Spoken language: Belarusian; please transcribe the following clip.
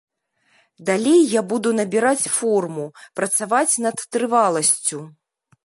Далей я буду набіраць форму, працаваць над трываласцю.